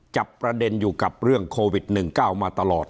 จับประเด็นอยู่กับเรื่องโควิด๑๙มาตลอด